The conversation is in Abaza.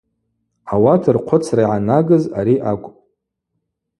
Ауат рхъвыцра йгӏанагыз ари акӏвпӏ.